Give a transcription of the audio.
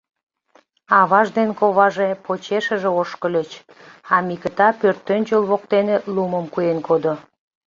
Аваж ден коваже почешыже ошкыльыч, а Микыта пӧртӧнчыл воктене лумым куэн кодо.